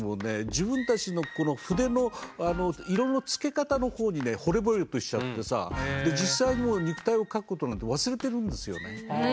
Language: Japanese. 自分たちのこの筆の色のつけ方のほうにねほれぼれとしちゃってさで実際もう肉体を描くことなんて忘れてるんですよね。